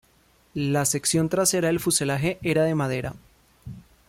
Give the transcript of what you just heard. La sección trasera del fuselaje era de madera.